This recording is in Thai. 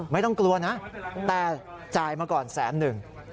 ไม่ต้องกลัวนะแต่จ่ายมาก่อนแสนหนึ่ง